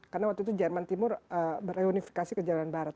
karena waktu itu jerman timur bereunifikasi ke jalan barat